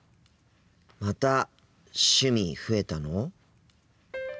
また趣味増えたの！？